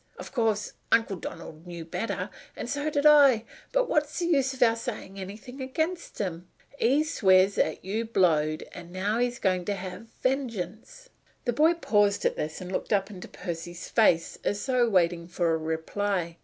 Of course, Uncle Donald knew better, and so did I; but what's the use of our saying anything against him? He swears 'at you've blowed, and now he's goin' to have vengeance." The boy paused at this point, and looked up into Percy's face, as though waiting for a reply.